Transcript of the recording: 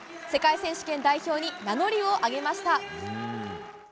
世界選手権代表に名乗りを上げました。